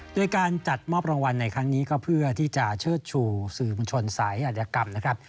โดยการจัดมอบรางวัลในครั้งนี้ก็เพื่อที่จะเชิดชูสื่อมวลชนสายอัธยกรรมนะครับ